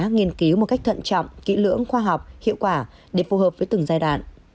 nghiên cứu một cách thận trọng kỹ lưỡng khoa học hiệu quả để phù hợp với từng giai đoạn